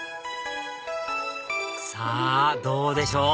さぁどうでしょう？